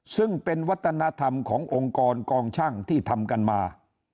ซึ่งเป็นวัฒนธรรมขององค์กรกองช่างที่ทำกันมา